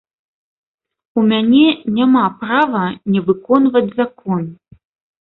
У мяне няма права не выконваць закон.